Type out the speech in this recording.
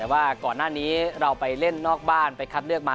แต่ว่าก่อนหน้านี้เราไปเล่นนอกบ้านไปคัดเลือกมา